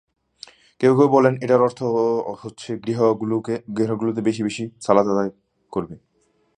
কেউ কেউ বলেন, এটার অর্থ হচ্ছে গৃহগুলোতে বেশি বেশি সালাত আদায় করবে।